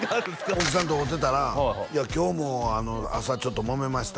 奥さんと会うてたら「今日も朝ちょっともめました」